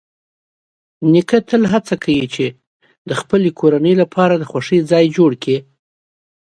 نیکه تل هڅه کوي چې د خپل کورنۍ لپاره د خوښۍ ځای جوړ کړي.